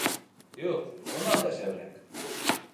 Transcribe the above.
Юҡ, унан да шәберәк.